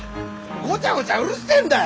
ごちゃごちゃうるせえんだよ！